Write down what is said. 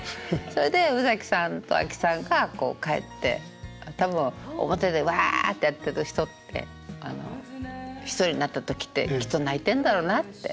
それで宇崎さんと阿木さんが書いて多分表でわあってやってる人って１人になった時ってきっと泣いてんだろうなって。